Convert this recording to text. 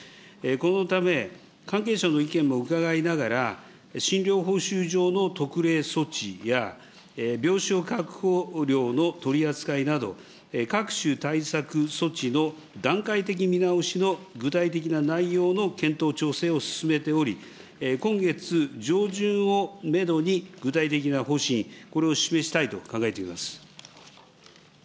このため、関係者の意見も伺いながら、診療報酬上の特例措置や、病床確保料の取り扱いなど、各種対策措置の段階的見直しの具体的な内容の検討調整を進めており、今月上旬をメドに、具体的な方針、これを示したいと考えています。